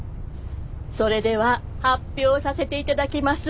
それでは発表させていただきます。